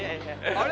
あれ？